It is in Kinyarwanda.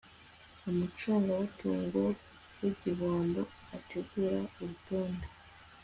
umucungamutungo w igihombo ategura urutonde